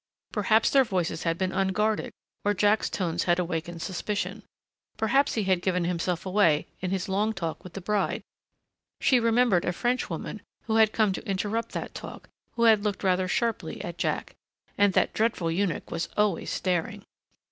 Perhaps their voices had been unguarded or Jack's tones had awakened suspicion. Perhaps he had given himself away in his long talk with the bride. She remembered a Frenchwoman who had come to interrupt that talk who had looked rather sharply at Jack.... And that dreadful eunuch was always staring....